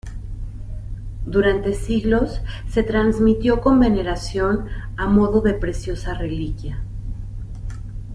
Durante siglos se transmitió con veneración a modo de preciosa reliquia.